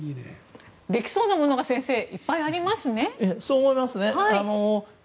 できそうなものがいっぱいありますね、先生。